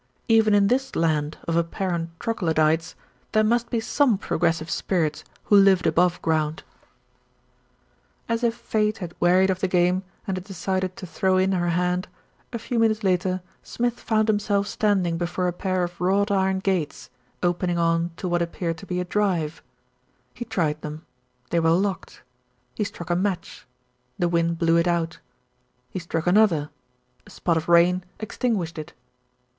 Even in this land of apparent troglodytes, there must be some progressive spirits who lived above ground. 24, THE RETURN OF ALFRED As if Fate had wearied of the game, and had de cided to throw in her hand, a few minutes later Smith found himself standing before a pair of wrought iron gates, opening on to what appeared to be a drive. He tried them ; they were locked. He struck a match the wind blew it out. He struck another, a spot of rain extinguished it.